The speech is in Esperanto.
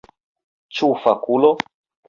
Ĉu fakulo?